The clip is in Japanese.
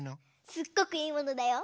すっごくいいものだよ。